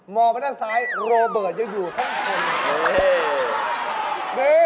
องไปด้านซ้ายโรเบิร์ตยังอยู่ข้างคน